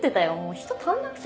人足んなくてさ。